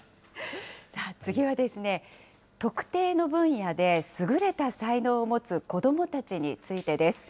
さあ、次はですね、特定の分野で優れた才能を持つ子どもたちについてです。